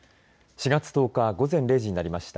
４月１０日午前０時になりました。